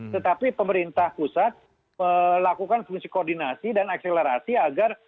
tetapi pemerintah pusat melakukan fungsi koordinasi dan akselerasi agar